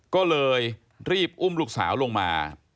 ก็เลยรีบอุ้มลูกสาวลงมา